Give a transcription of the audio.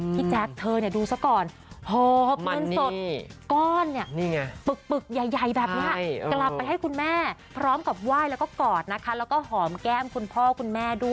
พี่แจ๊คเธอเนี่ยดูซะก่อนโหมันสดก้อนเนี่ยปึกใหญ่แบบนี้กลับไปให้คุณแม่พร้อมกับไหว้แล้วก็กอดนะคะ